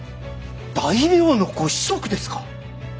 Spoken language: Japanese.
大名のご子息ですか。